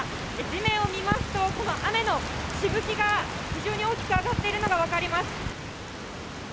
地面を見ますと、この雨のしぶきが非常に大きく上がっているのが分かります。